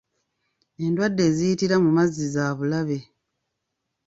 Endwadde eziyitira mu mazzi za bulabe.